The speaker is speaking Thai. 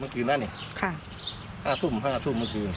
ค่ะค่ะ๕ทุ่มเมื่อคืน